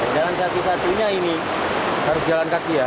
jangan satu satunya ini harus jalan kaki ya